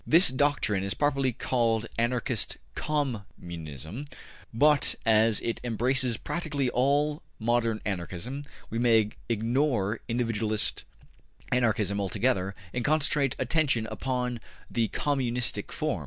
This doctrine is properly called Anarchist Com munism, but as it embraces practically all modern Anarchism, we may ignore individualist Anarchism altogether and concentrate attention upon the communistic form.